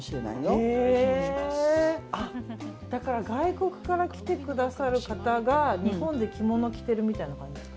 外国から来てくださる方が日本で着物を着てるみたいな感じ？